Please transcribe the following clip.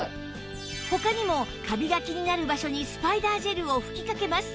他にもカビが気になる場所にスパイダージェルを吹きかけます